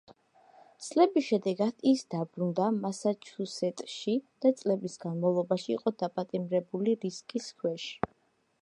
წლების შემდეგ ის დაბრუნდა მასაჩუსეტსში და წლების განმავლობაში იყო დაპატიმრების რისკის ქვეშ.